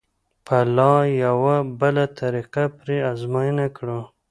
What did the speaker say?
به لا یوه بله طریقه پرې ازموینه کړو.